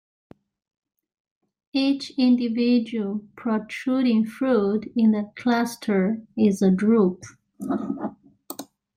Each individual protruding fruit in the cluster is a drupe.